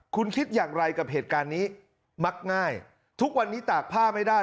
คุณคิดอย่างไรกับเหตุการณ์นี้มักง่ายทุกวันนี้ตากผ้าไม่ได้